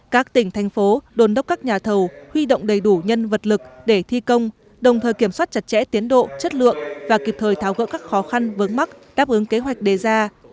các tỉnh thành phố đồn đốc các nhà thầu huy động đầy đủ nhân vật lực để thi công đồng thời kiểm soát chặt chẽ tiến độ chất lượng và kịp thời tháo gỡ các khó khăn vớn mắc đáp ứng kế hoạch đề ra